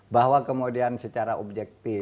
bahwa kemudian secara objektif